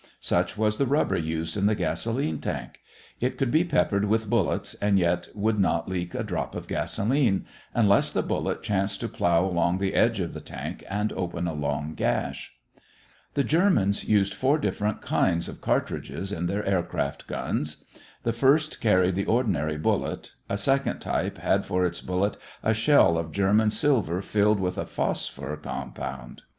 Such was the rubber used in the gasolene tank. It could be peppered with bullets and yet would not leak a drop of gasolene, unless the bullet chanced to plow along the edge of the tank and open a long gash. The Germans used four different kinds of cartridges in their aircraft guns. The first carried the ordinary bullet, a second type had for its bullet a shell of German silver filled with a phosphor compound.